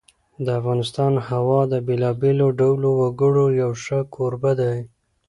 د افغانستان هېواد د بېلابېلو ډولو وګړو یو ښه کوربه دی.